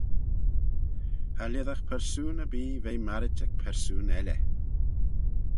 Cha lhisagh persoon erbee ve marrit ec persoon elley.